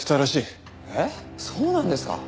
えっそうなんですか？